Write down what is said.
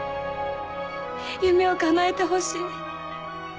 夢を叶えてほしい。